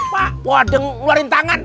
pak wadeng luarin tangan